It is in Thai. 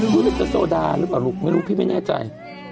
รู้สึกจะโซดาหรือเปล่าลูกไม่รู้พี่ไม่แน่ใจ